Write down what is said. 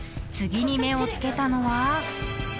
［次に目を付けたのは？］